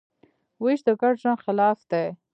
وېش د ګډ ژوند خلاف دی.